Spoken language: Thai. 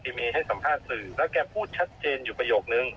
เมย์ให้สัมภาษณ์สื่อแล้วแกพูดชัดเจนอยู่ประโยคนึง